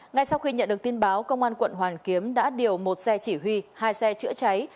ngay sau khi nhận được tin báo công an quận hoàn kiếm đã điều một xe chỉ huy hai xe chữa cháy